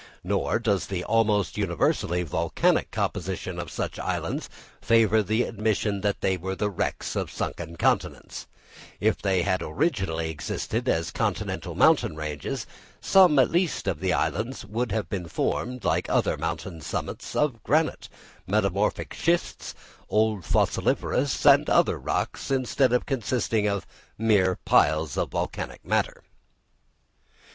Nor does the almost universally volcanic composition of such islands favour the admission that they are the wrecks of sunken continents; if they had originally existed as continental mountain ranges, some at least of the islands would have been formed, like other mountain summits, of granite, metamorphic schists, old fossiliferous and other rocks, instead of consisting of mere piles of volcanic matter.